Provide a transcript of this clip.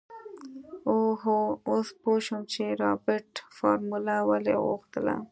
اوهوهو اوس پو شوم چې رابرټ فارموله ولې غوښتله.